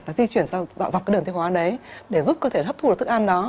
nó di chuyển dọc cái đường tiêu hóa đấy để giúp cơ thể hấp thu được thức ăn đó